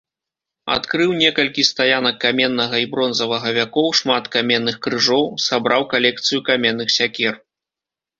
Адкрыў некалькі стаянак каменнага і бронзавага вякоў, шмат каменных крыжоў, сабраў калекцыю каменных сякер.